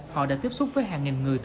họ đã tiếp xúc với hàng nghìn người